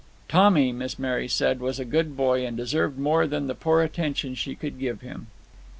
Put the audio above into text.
Tommy, Miss Mary said, was a good boy, and deserved more than the poor attention she could give him.